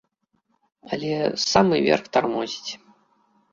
Але самы верх тармозіць.